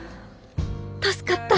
助かった！